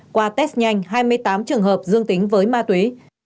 qua test nhanh hai mươi tám trường hợp dương tính với ma túy